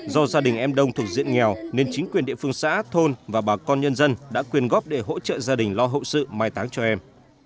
do gia đình em đông thuộc diện nghèo nên chính quyền địa phương xã thôn và bà con nhân dân đã quyên góp để hỗ trợ gia đình lo hậu sự mai táng cho em